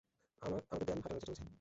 আমাদের দেয়ান হাটানোর চেষ্টা করছে।